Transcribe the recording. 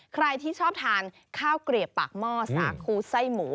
ใครที่ชอบทานข้าวเกลียบปากหม้อสาคูไส้หมู